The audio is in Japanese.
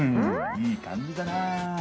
いいかんじだな。